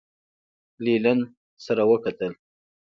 لینین سره وکتل.